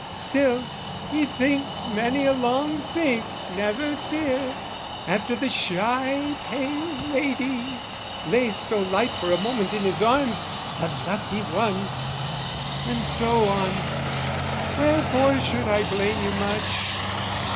"Still, he thinks many a long think, never fear, "After the shy pale lady, lay so light "For a moment in his arms, the lucky one!" And so on: wherefore should I blame you much?